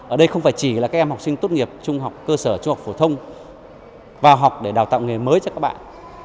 ở đây không phải chỉ là các em học sinh tốt nghiệp trung học cơ sở trung học phổ thông vào học để đào tạo nghề mới cho các bạn